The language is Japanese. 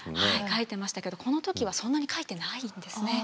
描いてましたけどこの時はそんなに描いてないんですね。